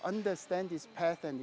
untuk memahami jalan ini